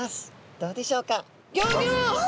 どうでしょうか。